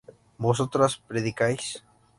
vosotras predicáis